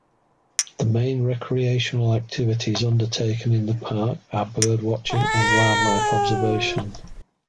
The main recreational activities undertaken in the park are bird watching and wildlife observation.